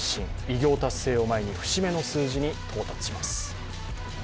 偉業達成を前に、節目の数字に到達します。